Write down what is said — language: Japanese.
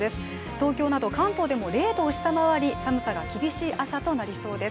東京など関東でも０度を下回り寒さが厳しい朝となりそうです。